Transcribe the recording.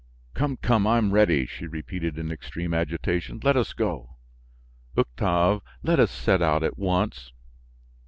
"Come, come! I am ready," she repeated in extreme agitation; "let us go, Octave, let us set out at once."